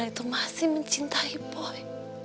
itu masih mencintai boy